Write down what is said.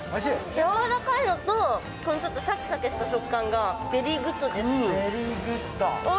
やわらかいのとシャキシャキした食感がベリーグッドです。